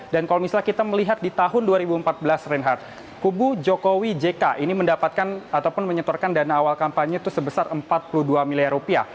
dan kalau misalnya kita melihat di tahun dua ribu empat belas reinhardt kubu jokowi jk ini mendapatkan ataupun menyetorkan dana awal kampanye itu sebesar empat puluh dua miliar rupiah